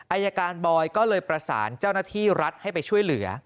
อายการบอยก็เลยประสานเจ้าหน้าที่รัฐให้ไปช่วยเหลือ